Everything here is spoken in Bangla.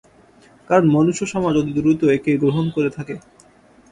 কারণ মনুষ্যসমাজ অতি দ্রুত একে গ্রহণ করে থাকে।